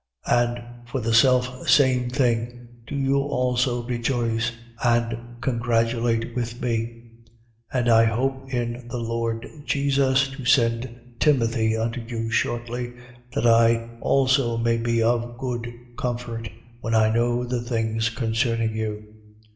2:18. And for the selfsame thing, do you also rejoice and congratulate with me. 2:19. And I hope in the Lord Jesus to send Timothy unto you shortly, that I also may be of good comfort, when I know the things concerning you.